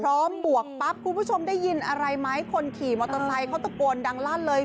บวกปั๊บคุณผู้ชมได้ยินอะไรไหมคนขี่มอเตอร์ไซค์เขาตะโกนดังลั่นเลย